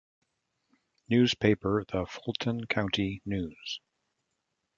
Newspaper: "The Fulton County News"